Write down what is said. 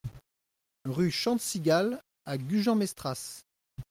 Rue Chante Cigale à Gujan-Mestras